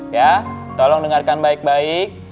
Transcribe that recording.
ya tolong dengarkan baik baik